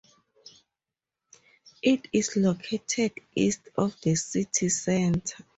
It is located east of the city centre.